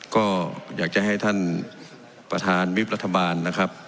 ก็อยากจะให้ท่านประธานวิบรัฐบาลนะครับ